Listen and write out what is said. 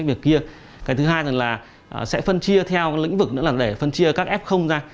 cái thứ hai là sẽ phân chia theo lĩnh vực nữa là để phân chia các f ra